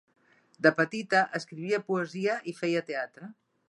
De petita, escrivia poesia i feia teatre.